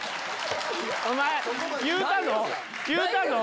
お前言うたぞ！